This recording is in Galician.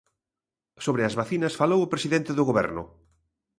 Sobre as vacinas falou o presidente do Goberno.